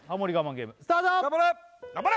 ゲームスタート頑張れ！